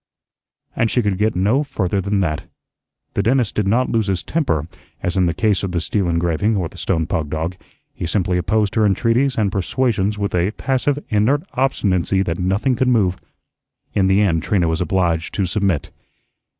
And she could get no further than that. The dentist did not lose his temper, as in the case of the steel engraving or the stone pug dog; he simply opposed her entreaties and persuasions with a passive, inert obstinacy that nothing could move. In the end Trina was obliged to submit.